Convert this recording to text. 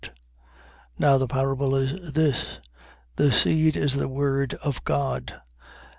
Now the parable is this: The seed is the word of God.